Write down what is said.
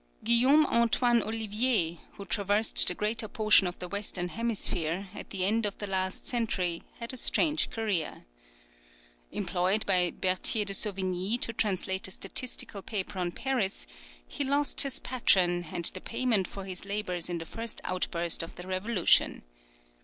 Guillaume Antoine Olivier, who traversed the greater portion of the Western hemisphere, at the end of the last century, had a strange career. Employed by Berthier de Sauvigny to translate a statistical paper on Paris, he lost his patron and the payment for his labours in the first outburst of the Revolution.